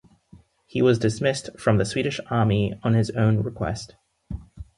He was dismissed from the Swedish army on his own request.